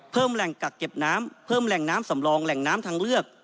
เพิ่มแหล่งกักเก็บน้ำเพิ่มแหล่งน้ำสำรองแหล่งน้ำทางเลือก